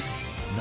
何？